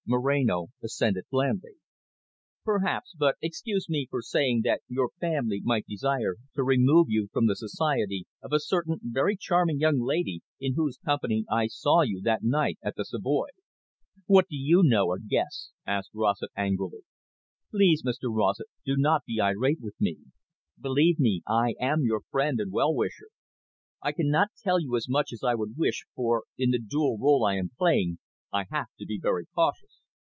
Moreno assented blandly. "Perhaps, but excuse me for saying that your family might desire to remove you from the society of a certain very charming young lady, in whose company I saw you that night at the Savoy." "What do you know, or guess?" asked Rossett angrily. "Please, Mr Rossett, do not be irate with me. Believe me I am your friend and well wisher. I cannot tell you as much as I would wish, for, in the double role I am playing, I have to be very cautious."